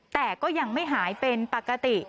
แต่ก็ยังไม่หายเป็นปกติ